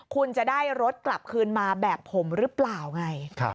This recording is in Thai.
คุณจะได้รถกลับคืนมาแบบผมหรือเปล่าไง